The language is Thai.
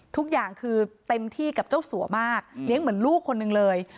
ทุกอย่างคือเต็มที่กับเจ้าสัวมากเลี้ยงเหมือนลูกคนหนึ่งเลย